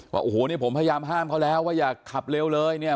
ว่าโอ้โหนี่ผมพยายามห้ามเขาแล้วว่าอย่าขับเร็วเลยเนี่ย